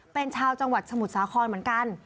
เป็นชาวจังหวัดสมุทรสาครเหมือนกัน